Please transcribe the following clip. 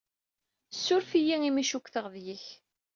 Ssuref-iyi imi i cukkteɣ deg-k.